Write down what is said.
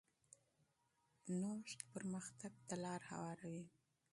نوښت پرمختګ ته لار هواروي.